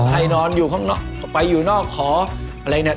ให้นอนอยู่ข้างนอกไปอยู่นอกหออะไรเนี่ย